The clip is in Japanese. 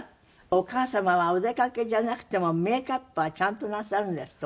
お母様はお出かけじゃなくてもメイクアップはちゃんとなさるんですって？